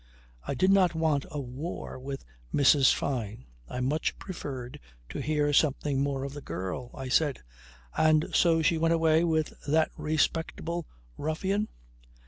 I did not want a war with Mrs. Fyne. I much preferred to hear something more of the girl. I said: "And so she went away with that respectable ruffian."